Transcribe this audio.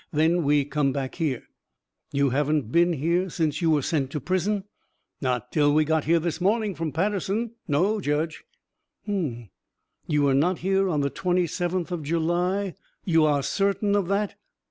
Then we come back here." "You hadn't been here since you were sent to prison?" "Not till we got here this morning from Paterson. No, Judge." "H'm! You were not here on the twenty seventh of July? You are certain of that?"